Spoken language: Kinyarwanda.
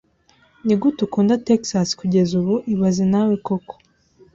Nigute ukunda Texas kugeza ubu ibaze nawe koko